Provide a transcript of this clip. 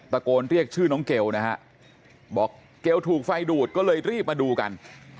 ตะโกนเรียกชื่อน้องเกลนะฮะบอกเกลถูกไฟดูดก็เลยรีบมาดูกัน